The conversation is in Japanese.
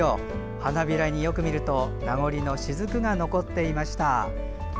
花びらに、よく見ると名残の滴が残っていました。